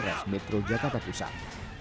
polres metro jakarta pusat